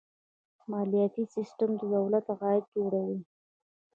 مالیاتي سیستم د دولت عاید جوړوي.